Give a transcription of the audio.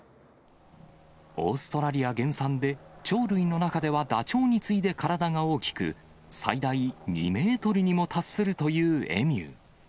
オーストラリア原産で、鳥類の中ではダチョウに次いで体が大きく、最大２メートルにも達するというエミュー。